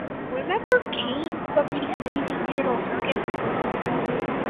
Vernon, Ohio and was initially called the C and E Cooper Company.